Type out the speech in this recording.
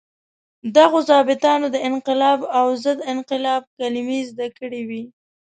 دغو ظابیطانو د انقلاب او ضد انقلاب کلمې زده کړې وې.